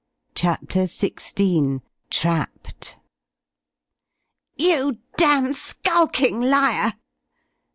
CHAPTER XVI TRAPPED! "You damned, skulking liar!"